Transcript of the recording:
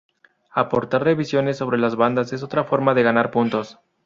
Aportar revisiones sobre las bandas es otra forma de ganar puntos.